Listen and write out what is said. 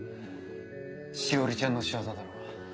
詩織ちゃんの仕業だろ。